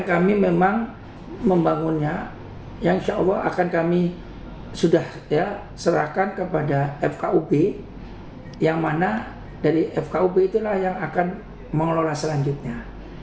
kami membangunnya di fkub yang akan dikelola selanjutnya